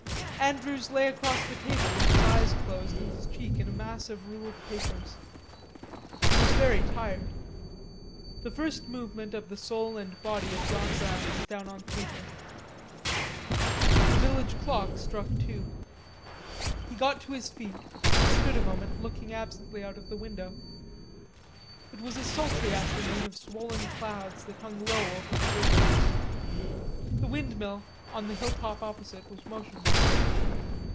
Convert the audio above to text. Andrews lay across the table with his eyes closed and his cheek in a mass of ruled papers. He was very tired. The first movement of the "Soul and Body of John Brown" was down on paper. The village clock struck two. He got to his feet and stood a moment looking absently out of the window. It was a sultry afternoon of swollen clouds that hung low over the river. The windmill on the hilltop opposite was motionless.